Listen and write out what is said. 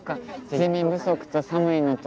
睡眠不足と寒いのと。